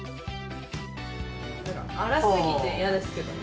荒すぎて嫌ですけどね。